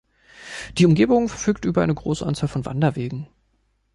Die Umgebung verfügt über eine große Anzahl von Wanderwegen.